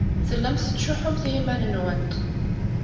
Tellamt tettcuḥḥumt i yiman-nwent.